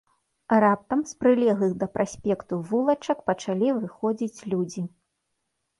Раптам з прылеглых да праспекту вулачак пачалі выходзіць людзі.